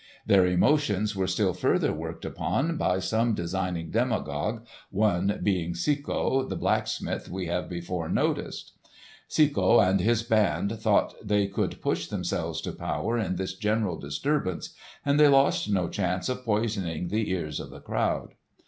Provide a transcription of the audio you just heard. Their emotions were still further worked upon by some designing demagogues, one being Cecco, the blacksmith we have before noticed. Cecco and his band thought they could push themselves to power in this general disturbance, and they lost no chance of poisoning the ears of the crowd.